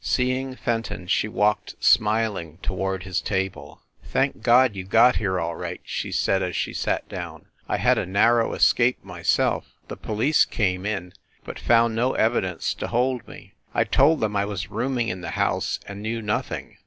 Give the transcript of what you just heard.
Seeing Fenton, she walked smiling toward his table. "Thank God, you got here all right !" she said as she sat down. "I had a narrow escape, myself. The police came in, but found no evidence to hold me. I told them I was rooming in the house and knew nothing.